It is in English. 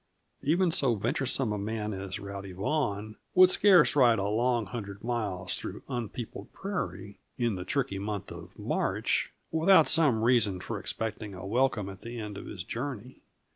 Even so venturesome a man as Rowdy Vaughan would scarce ride a long hundred miles through unpeopled prairie, in the tricky month of March, without some reason for expecting a welcome at the end of his journey.